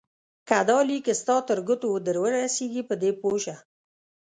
که دا لیک ستا تر ګوتو درورسېږي په دې پوه شه.